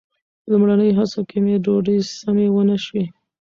لومړني هڅو کې مې ډوډۍ سمې ونه شوې.